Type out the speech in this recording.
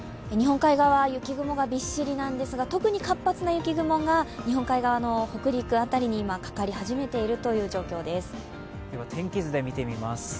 日本海側は雪雲がびっしりなんですが特に活発な雪雲が日本海側の北陸辺りに今かかり始めている状況です。